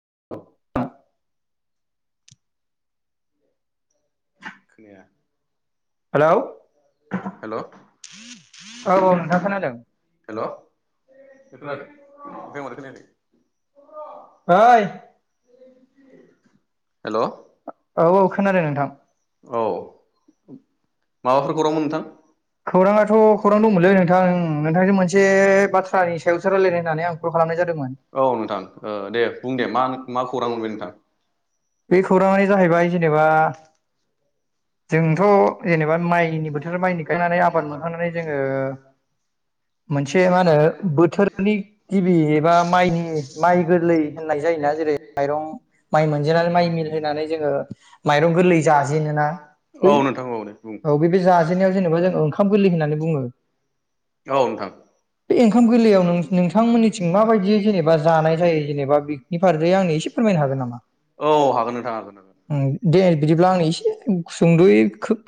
[inaudible] खोनाया hello hello औ औ नोंथां खोनादों हेल' [unintelligible] आं माथो खोनाखै ओइ हेल' औ औ खोनादों नोंथां औ [unintelligible] खौरांमोन नोंथां खौराङाथ' खौरां दंमोनलै नोंथां नोंथांजों मोनसे बाथ्रानि सायावसो रायलायनो होननानै आं कल खालामनाय जादोंमोन औ नोंथां ओ दे बुं दे मा मा खौरां मोनबाय नोंथां बे खौराङानो जाहैबाय जेनेबा जोंथ' जेनेबा माइनि बोथोर माइनि गायनानै आबाद मोनखांनानै जोङो मोनसे मा होनो बोथोरनि गिबि एबा माइनि माइ गोरलै होननाय जायोना जेरै माइरं माइ मोनजेनानै माइ मिल होनानै जोङो माइरं गोरलै जा [unintelligible] औ नोंथां औ बुं औ बे बे जाजेननायाव जेनेबा जों ओंखाम गोरलै होननानै बुङो औ नोंथां बे ओंखाम गोरलैयाव नोंथांमोननिथिं माबायदि जेनेबा जानाय जायो जेनेबा बिनि फार आंनो एसे फोरमायनो हागोन नामा औ हागोन नोंथां हागोन दे बिदिब्ला आंनो एसे सुंद'यै खोब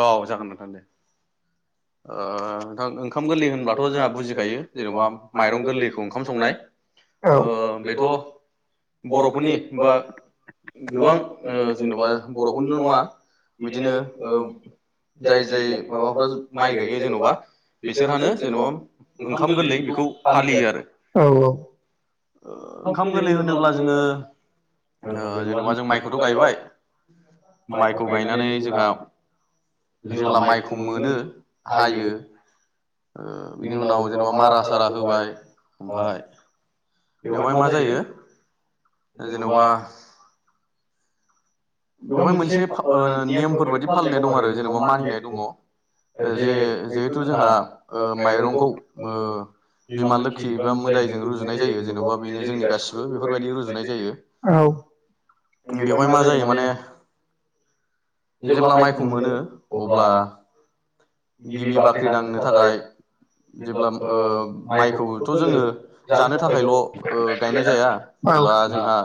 औ जागोन नोंथां दे अ ओंखाम गोरलै होनबाथ' जोंहा बुजिखायो जेनेबा माइरं गोरलैखौ ओंखाम संनाय औ ओ बेथ' बर'फोरनि बा गोबां ओ जेन'बा बर'फोरल' नङा बिदिनो ओ जाय जाय माबाफ्रा माइ गायो जेन'बा बिसोरानो बिसोरहानो जेनेबा जेन'बा ओंखाम गोरलै गोरलैखौ बेखौ फालियो आरो आरोखि औ औ ओंखाम गोरलै होनोब्ला जोङो ओ जेनेबा जों माइखौथ' गायबाय माइखौ गायनानै जोंहा जेब्ला माइखौ मोनो हायो बिनि उनाव जेनेबा मारा सारा होबाय ओमफाय बेवहाय मा जायो जेनेबा बेवहाय मोनसे ओ नियमफोर बायदि फालिनाय दं आरो जेनेबा मानिनाय दङ जे जिहेथु जोंहा ओ माइरंखौ ओ बिमा लोखि बा मोदायजों रुजुनाय जायो जेन'बा बेनो जोंनि गासिबो बेफोरबायदि रुजुनाय जायो औ बेवहाय मा जायो माने जेब्ला माइखौ मोनो अब्ला गिबि बाख्रि दांनो थाखाय जेब्ला ओ माइखौथ' जोङो जानो थाखायल' ओ गायनाय जाया बा जोंहा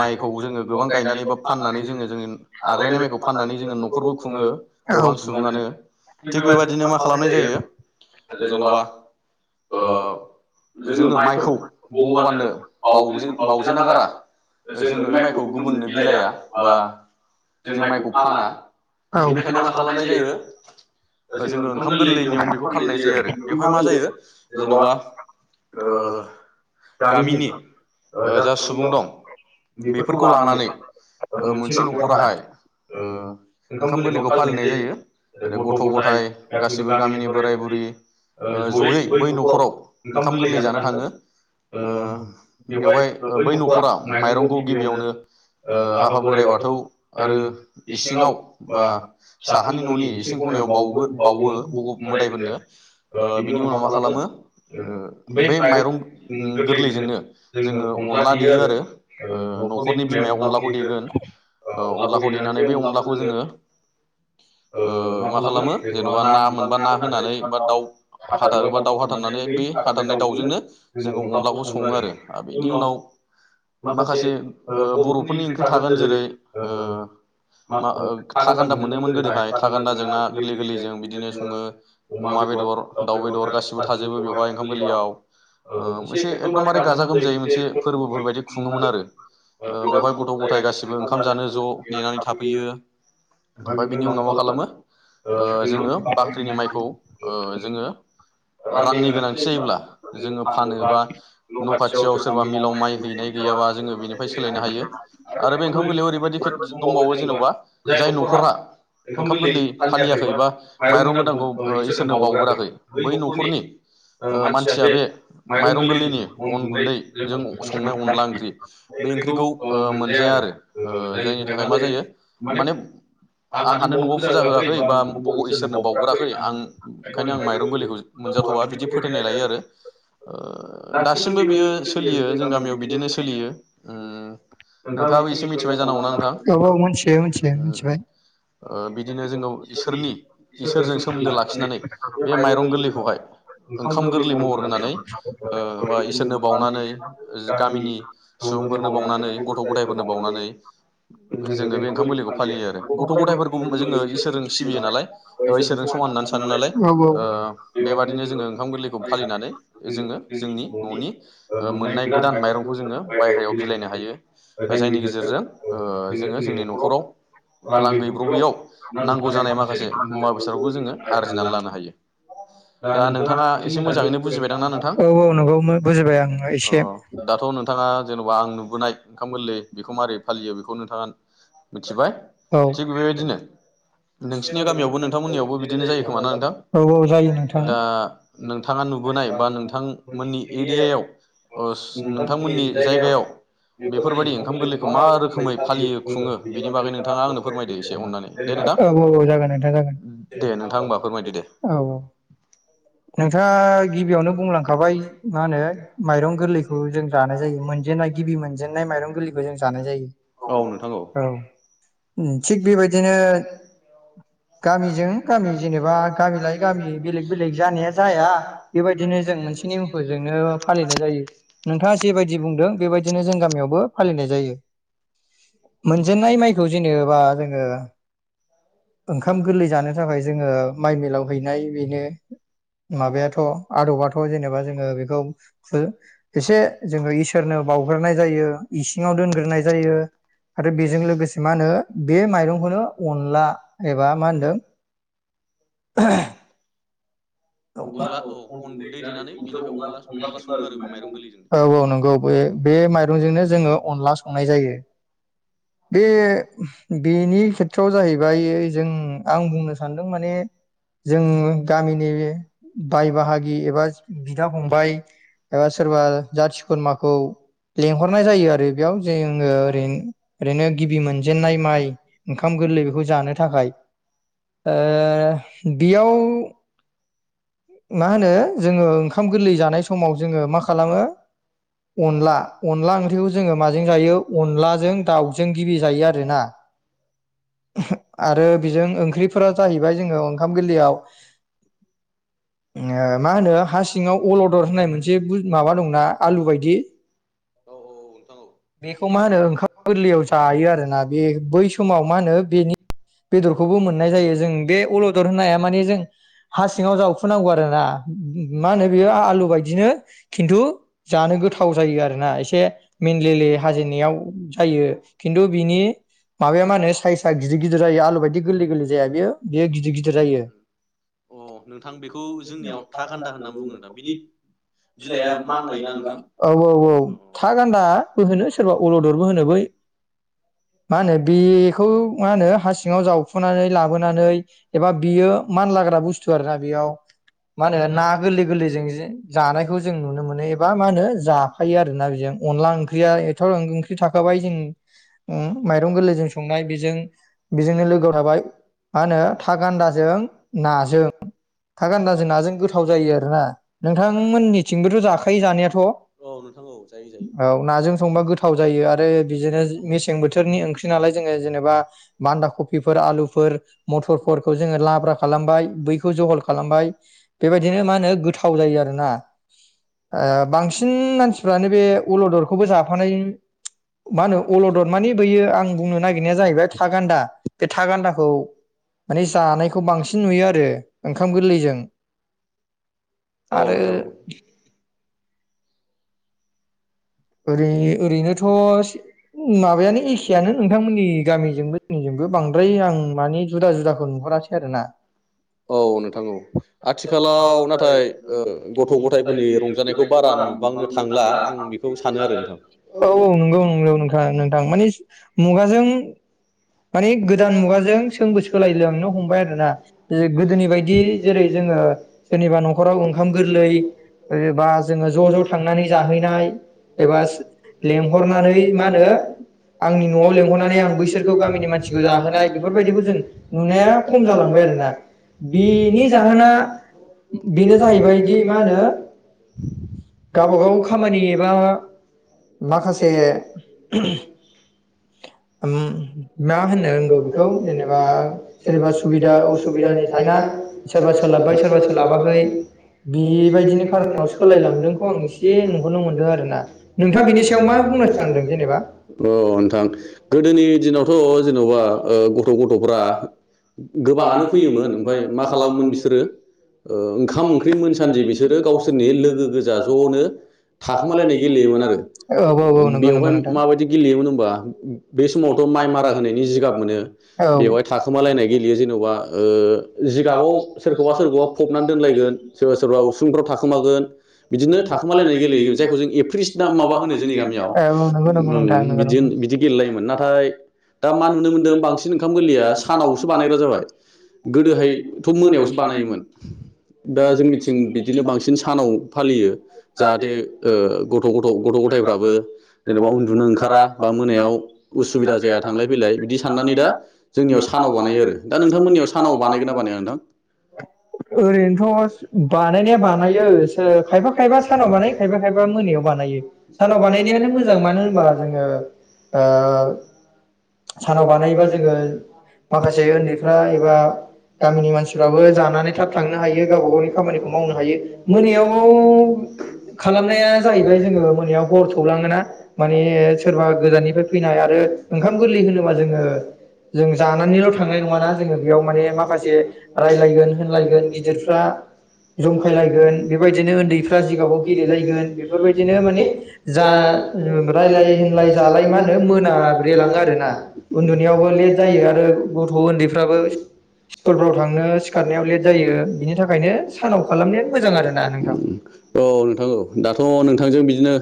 माइखौ जोङो गोबां गायनानै बा फाननानै जोङो आग्लायनाय माइखौ फाननानै जोङो न'खरबो खुङो औ गोबां सुबुङानो थिग बेबायदिनो मा खालामनाय जायो जेन'बा ओ जोङो माइखौ भगबाननो बावजे बाजेना गारा जोङो बे माइखौ गुबुननो बिलाया बा जों माइखौ फाना बेनिखायनो मा खालामनाय जायो जोङो ओंखाम गोरलै नियम बेखौ फालिनाय जायो आरो बेवहाय मा जायो जेन'बा ओ गामिनि ओ जा सुबुं दं बेफोरखौ लानानै ओ [unintelligible] मोनसे न'खराहाय ओ ओंखाम [unintelligible] थ'गथाय गासिबो गामिनि बोराय बुरै ओ जयै बै न'खराव ओंखाम गोरलै जानो थाङो ओ बेवहाय बै न'खरा माइरंखौ गिबियावनो औ आफा बाथौ आरो इसिंआव बा सहानि न'नि इसिं बाउगोन बाउऔ बोगोब मोदफोरनो बिनि उनाव मा खालामो बे माइरं गोरलैजोंनो जोङो अनला देयो आरो औ न'खरनि बिमाया अनलाखौ देगोन अनलाखौ देनानै बे अनलाखौ जोङो औ खालामनो जेनबा ना मोनबा ना होनानै बा दाउ हाथारोबा दाउ हाथारनानै बे हाथारनाय दाउ जोंनो जोंङो अनला खौ सङो आरो बेनिउनाव मोखासे बर'फोरनि‌ ओंखि् थागोन जेरै औ थागान्दा मोनोमोन गोदोहाय थाागान्दा जोंना गोरलै गोरलैजों बिदिनो सङो अमा बेदर दाउ बेदर गासिबो थाजोबो बेवहाय ओंखाम गोरलैयाव मोनसे एकदमबारे गाजा गोमजायै मोनसे फोरबोफोरबायायदि खुङोमोन आरो बेवहाय गथ' गथाय गासिबो गासिबो ओंखाम जानो ज' नेनानै थाफैयो ओमफ्राय बेनि उनाव मा खालामो जोङो बाख्रिनि माइखौ जोङो रांनि गोनांथि जायोब्ला जोङो फानो बा न' खाथियाव सोरबा मिलाव माइ हैनाय गैयाबा जोङो बेनिफ्राय सोलायनो हायो आरो बे ओंखाम गोरलैयाव ओरैबायदि दंबावो जेन'बा जाय न'खरा ओंखाम गोरलै फालियाखै बा माइरं गोदांखौ इसोरनो बाउगोराखै बै न'खरनि मानसिया बे माइरं गोरलैनि अन गुन्दैजों संनाय अनला ओंख्रि बे ओंख्रिखौ मोनजाया आरो जायनि थाखाय मा जायो माने आंहानो न'आव फुजा होआ इसोरनो बावगोराखै आं ओंखायनो आं माइरं गोरलैखौ मोनजाथ'वा बिदि फोथायनाय लायो आरो दासिमबो बियो सोलियो जों गामियाव बिदिनो सोलियो नों औ औ मिथि मिथियो मिथिबाय ओ बिदिनो जोंनाव सोरनि इसोरनि इसोरजों सोमोन्दो लाखिनानै बे माइरं गोरलैखौ ओंखाम गोरलै महर होनानै ओ बा इसोरनो बावनानै गामिनि गथ' गथाय ब जोङो बे ओंखाम गोरैखौ फालियो आरो गथ' गथायखौबो जों इसोर सिबियो नालाय इसोरजों समान होननानै सानो नालाय औ औ बेबादिनो जोङो ओंखाम गोरलैखौ फालिनानै जोङो जोंनि न'नि मोननाय गोदान माइरंखौ जोङो बायह्रायाव बिलाइनो हायो जायनि गेजेरजों जोङो जोंनि न'खराव रां गैब्रबैयाव नांगौ जानाय माखासे मुवा बेसादफोरखौ जोङो आरजिनानै लानो हायो दा नोंथाङा एसे मोजाङैनो बुजिबाय दां नोंथां औ औ नंगौ बुजिबाय आङो एसे दाथ' नोंथाङा जेन'बा आं नुबोनाय ओंखाम गोरलै बेखौ मारै फालियो बेखौ नोंथाङा मिथिबाय औ थिग बेबायदिनो नोंसिनि गामियावबो नोंथांमोननियावबो बिदिनो जायो खोमा ना नोंथां औ औ जायो नोंथां। दा नोंथाङा नुबोनाय बा नोंथांमोननि एरियायाव नोंथांमोननि जायगायाव बेफोरबायदि ओंखाम गोरलैखौ मा रोखोमै फालियो खुङो बेनि बागैनो नोंथाङा आंनो फोरमायदो एसे अननानै दे नोंथां औ औ जागोन नोंथां जागोन दे नोंथां होमबा फोरमायदो दे औ औ नोंथाङा गिबियावनो बुंलांखाबाय मा होनो माइरं गोरलैखौ जों जानाय जायो मोनजेननाय गिबि मोनजेनन्नाय माइरं गोरलैखौ जों जानाय जायो औ नोंथां औ थिग बेबायदिनो गामिजों गामि जेनेबा गामि लायै गामि बेलेग बेलेग जानाया जाया बेबायदिनो जों मोनसे नेमखौजोंनो फालिनाय जायो नोंथाङा जेबायदि बुंदों बेबायदिनो जों गामियावबो फालिनाय जायो मोनजेनय माइ औ जेनेबा जोङो ओंखाम गोरलै जानो थाखाय जोङो माइ मिलाव हैनाय बेनो माबायाथ' आदबाथ' जेनेबा जोङो बेखौ एसे जोङो इसोरनो बाउग्रोनाय जायो इसिङाव दोनग्रोनाय जायो आरो बेजों लोगोसे मा होनो बे माइरंखौनो अनला एबा मा होनदों [unintelligible] [inaudible] औ अनला औ अन गुन्दै देनानै बेनिफ्राय अनला अनला सङो आरो बे माइरं गोरलैजों औ नंगौ बै बे माइरंजोंनो जोङो अनला संनाय जायो। बे बेनि खेथ्रआव जाहैबाय जों आं बुंनो सानदों माने जों गामिनि बे बाय बाहागि एबाज बिदा फंबाय ओ सोरबा जाथि खुरमाखौ लेंहरनाय जायो आरो बेयाव जेङो ओरैन रेन गिबि मोनजेनन्नाय माइ ओंखाम गोरलै बेखौ जानो थाखाय ओ बियाव मा होनो जोङो ओंखाम गोरलै जानाय समाव जोङो मा खालामो अनला अनला ओंख्रिखौ जोङो माजों जायो अनलाजों दाउजों गिबि जायो आरोना। आरो बिजों ओंख्रिफोरा जाहैबाय जोङो ओंखाम गोरलैयाव इङो मा होनो हा सिङाव अलदर होननाय मोनसे बु माबा दंना आलु बायदि औ औ औ नों बेखौ मा होनो ओंखाम गोरलैयाव जायो आरोना बे बै समाव मा होनो बेनि बेदरखौबो मोननाय जायो जों बे अलदर होननाया माने जों हा सिङाव जावखुनांगौ आ रो ना मा होनो बियो आलु बायदिनो खिन्थु जानो गोथाव जायो आरोना एसे मिन ले ले हाजेनायाव जायो खिन्थु बिनि माबाया मा होनो साइसआ गिदिर गिदिर जायो आलु बायदि औ गोरलै गोरलै जाया बेयो बेयो गिदिर गिदिर जायो। अ नोंथां बेखौ खौ जोंनियाव था थागान्दा गान्दा होननानै होनना बुङो नोंथां बिनि बिलाइआ मान मानलायोना लायोना नोंथां औ नोंथां। होनो सोरबा अल'दरबो होनो बै मा होनो बेखौ मा होनो हा सिङाव जावफुनानै लाबोनानै एबा बियो मानलाग्रा बुस्थु आरो ना बेयाव मा होनो ना गोरलै गोरलैजों जे जानायखौ जों नुनो मोनो एबा मा होनो जाफायो आरोना बेजों अनला ओंख या एथ'ओंख्रि थाखाबाय जों माइरं गोरलैजों संनाय बेजों बेजोंनो लोगोआव थाबाय मा होनो था गान्दाजों नाजों था गान्दाजों नाजों गोथाव जायो आरोना नोंथांमोननिथिंबोथ' जाखायो जानायाथ' औ नाजों संबा गोथाव जायो आरो बिदिनो सें बोथोरनि ओंख्रि नालाय जोङो जेनेबा बान्दा कफिफोर आलुफोर मथरफोरखौ जोङो लाब्रा खालामबाय बैखौ जहल खालामबाय बेबायदिनो मा होनो गोथाव जायो आरोना ओ बांसिन मानसिफ्रानो बे अलदर खबो जाफानाय मानो अ मानि बैयो आं बुंनो नागिरनाया जाहैबाय थागान्दा बे थागान्दाखौ मानि जानायखौ बांसिन नुयो आरो ओंखाम गोरलैजों औ आरो। नोंथां औ ओरै ओरैनोथ' माबायानो एखेयानो नोंथांमोननि गामिजोंबो जोंनिजोंबो बांद्राय आं माने जुदा जुदाखौ नुहरासै आरोना। औ नोंथां औ आथिखालाव नाथाय ओ गथ' गथायफोरनि रंजानायखौ बारा नुबांनो थांला आं औ बेखौ सानो आरो नोंथां औ नोंगो [unintelligible] नोंथां नोंथां माने [unintelligible] मुगाजों मानि गोदान मुगाजों सोंबो सोलायलांनो हमबाय आरो ना जि गोदोनि बायदि जेरै जोङो सोरनिबा न'खराव ओंखाम गोरलैबा जोङो ज' ज' थांनानै जाहैनाय एबा लेंहरनानै मा होनो आंनि न'आव लेंहरनानै आं बैसोरखौ [unintelligible] गामिनि मानसिखौ जाहोनाय बेफोरबायदिखौ जों नुनाया खम जालांबाय आरोना बिनि जाहोना बेनो जाहैबायदि मा होनो गावबा गाव खामानि एबा माखासे उम मा होननो रोंगौ बेखौ जेनेबा सोरबा सुबिदा असुबिदानि थाया सोरबा सोलाबबाय सोरबा सोलाबाखै बेबायदिनि खारनाव सोलायलांदोंखौ आं एसे नुहरनो मोनदों आरो ना नोंथाङा बिनि सायाव मा बुंनो सानदों जेनेबा औ नोंथां गोदोनि दिनावथ' जेन'बा आ गथ' गथ'फ्रा गोबाङानो फैयोमोन ओमफ्राय मा खालामोमोन बिसोरो ओंखाम ओंख्रि मोनसान्दि बिसोरो गावसोरनि लोगो गोजा ज'नो थाखोमालायनाय गेलेयोमोन आरो औ औ औ नंगौ बेवहाय नंगौ नोंथां माबायदि गेलेयोमोन होनबा बे समावथ' माइ मारा होनायनि जिगाब मोनो औ बेवहाय थाखोमालायनाय जेनेबा जिगाबाव सोरखौबा सोरखौबा फबनानै दोनलायगोन सोरबा सोरबा उसुंफ्राव थाखोमागोन बिदिनो थाखोमालायनानै गेले जायखौ जों एप्रिस ना माबा जोंनि गामियाव औ नंगौ नंगौ नोंथां नंगौ नंगौ गेलेलायोमोन नाथाय दा मा नुनो मोन्दों बांसिन ओंखाम गोरलैया सानावसो जाबाय गोदोहायथ' मोनायावसो बानायोमोन दा जोंनिथिं बिदिनो बांसिन सानाव फालियो जाहाथे ओ गथ' गथ' गथ' गथायफ्राबो जेनेबा उन्दुनो ओंखारा बा मोनायाव उसुबिदा जाया थांलाय फैलाय बिदि साननानै दा जोंनियाव सानाव बानायो दा नोंथां मोननिायाव सानाव बानायगोन ना बानाया नोंथां ओरैथ' ओरैनोथ' बानायनाया बानाय बानायो खायफा खायफा सानाव बानायो खायफा खायफा मोनायाव बानायो सानाव बानायनायानो मोजां मानो होनबा जोङो [inaudible] सानाव बानायोबा जोङो माखासे उन्दैफ्रा एबा गामिनि मानसिफ्राबो जानानै थाब थांनो हायो गावबा गावनि खामानिखौ मावनो हायो मोनायाव खालामनाया जाहैबाय जोङो मोनायाव हर थौलाङोना माने सोरबा गोजाननिफ्राय फैनाय आरो ओंखाम गोरलै होनोबा जोङो जों जानानैल' थांनाय नङाना जोङो बेयाव माने माखासे रायलायगोन होनलायगोन गिदिरफ्रा जंखायलायगोन बेबायदिनो उन्दैफ्रा जिगाबाव गेलेलायगोन बेफोरबायदिनो माने जा होनाय जालाय मा होनो मोन ना औ जायो आरो गथ' उन्दैफ्राबो स्कुलफ्राव थांनो सिखारनायाव लेट जायो बिनि थाखायनो सानाव खालामनायानो मोजां आरोना नोंथां नोंथां औ दाथ' नोंथांजों बिदिनो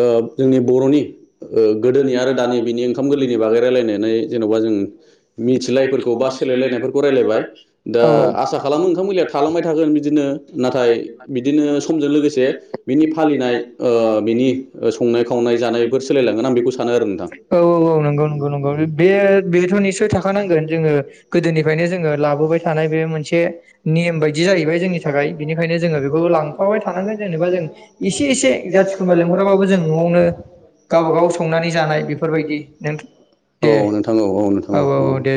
ओ जोंनि बर'नि ओ गोदोनि आरो दानि बिनि ओंखाम गोरलैनि बागै रायज्लायनानै जेन'बा जों मिथिलायिफोरखौ बा सोलायलायनायफोरखौ रायजलायबाय दा औ आसा खालामो ओंखाम गोरलैया थालांबाय थागोन बिदिनो औ नाथाय बिदिनो समजों लोगोसे बिनि फालिनाय ओ बिनि संनाय खावनाय जानायफोर सोलायलाङोना आं बेखौ सानो आरो नोंथां औ औ औ नंगौ नंगौ नंगौ बे बेथ' निसय थाखानांगोन जोङो गोदोनिफ्रायनो जोङो लाबोबाय थानाय बे मोनसे नेम बायदि जाहैबाय जोंनि थाखाय बेनिखायनो जोङो बेखौ लांफाबाय थानांगोन जेनेबा जों एसे एसे जाथिखौम लेंहराबो जों जों न'आवनो गावबागाव संनानै जानाय बे औ नोंथां औ औ नोंथां औ